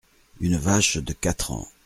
Une vache de quatre ans.